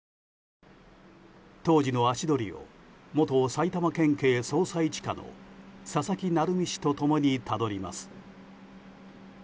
当時の足取りを元埼玉県警捜査１課の佐々木成三氏と共にたどります。